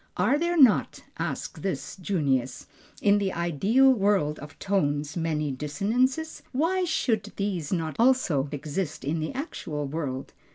"Are there not" asks this Junius, "in the ideal world of tones many dissonances? Why should these not also exist in the actual world?"